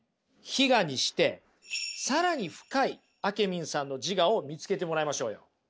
非我にして更に深いあけみんさんの自我を見つけてもらいましょうよ。